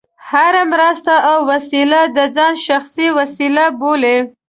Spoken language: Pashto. هره مرسته او وسیله د ځان شخصي وسیله بولي.